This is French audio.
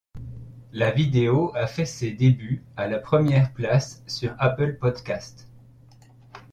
La vidéo a fait ses débuts à la première place sur Apple Podcasts.